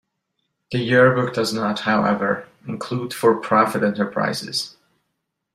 The Yearbook does not, however, include for-profit enterprises.